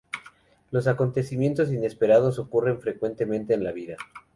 Los acontecimientos inesperados ocurren frecuentemente en la vida.